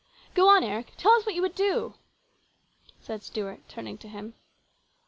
" Go on, Eric, tell us what you would do," said Stuart, turning to him.